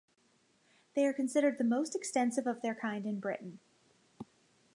They are considered the most extensive of their kind in Britain.